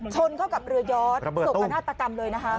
ชนเข้ากับเรือยอดระเบิดตู้นานตกรรม